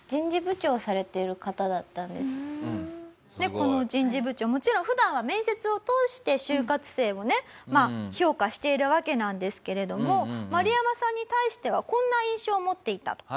この人事部長もちろん普段は面接を通して就活生をね評価しているわけなんですけれどもマルヤマさんに対してはこんな印象を持っていたと。